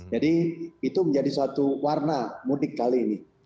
jadi itu menjadi suatu warna mudik kali ini